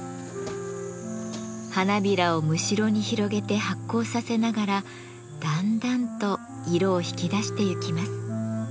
花びらをむしろに広げて発酵させながらだんだんと色を引き出してゆきます。